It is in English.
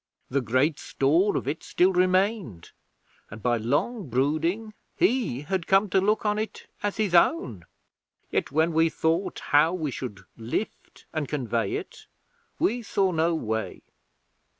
The great store of it still remained, and by long brooding he had come to look on it as his own. Yet when we thought how we should lift and convey it, we saw no way.